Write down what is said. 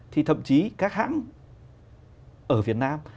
thì thậm chí các hãng ở việt nam